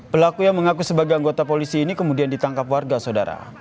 pelaku yang mengaku sebagai anggota polisi ini kemudian ditangkap warga saudara